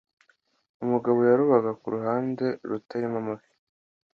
Umugabo yarobaga ku ruhande rutarimo amafi